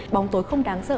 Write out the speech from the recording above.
bóng tối không đáng sợ